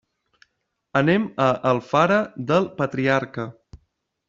Anem a Alfara del Patriarca.